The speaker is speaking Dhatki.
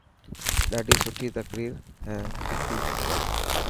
ڏاڌي سٺي تقرير هتي.